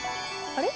あれ？